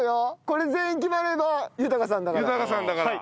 これ全員決めれば豊さんだから。